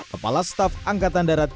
kepala staf angkatan darat